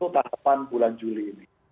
tahapan bulan juli ini